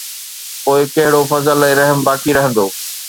پوءِ ڪهڙو فضل ۽ رحم باقي رهندو؟